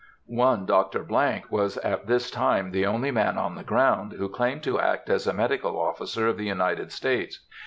One Dr. —— was at this time the only man on the ground who claimed to act as a medical officer of the United States.